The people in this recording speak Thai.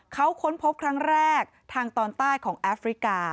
เขาค้นพบครั้งแรกทางตอนใต้ของแอฟริกา